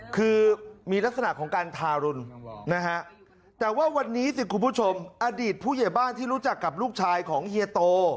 คือมีลักษณะของการทารุณนะฮะแต่ว่าวันนี้สิคุณผู้ชมอดีตผู้ใหญ่บ้านที่รู้จักกับลูกชายของเฮียโต